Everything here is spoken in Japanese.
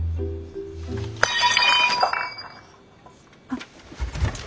あっ！